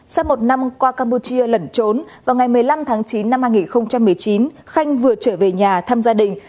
sau một năm qua campuchia lẩn trốn vào ngày một mươi năm tháng chín năm hai nghìn một mươi chín khanh vừa trở về nhà thăm gia đình